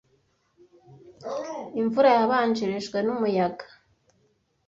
Imvura yabanjirijwe n umuyaga.